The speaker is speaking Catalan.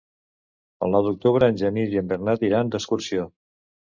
El nou d'octubre en Genís i en Bernat iran d'excursió.